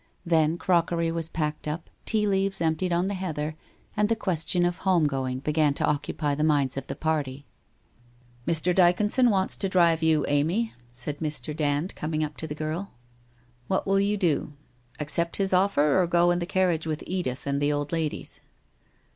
Then crockery was packed up, tea leaves emptied on the heather and the question of home going began to occupy the minds of the party. ' Mr. Dyconson wants to drive you, Amy/ said Mr. Dand coming up to the girl. 'What will you do? Accept his offer, or go in the carriage with Edith and the old ladies?